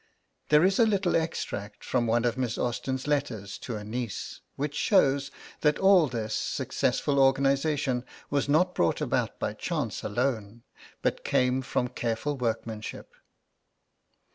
There is a little extract from one of Miss Austen's letters to a niece, which shows that all this successful organisation was not brought about by chance alone, but came from careful workmanship.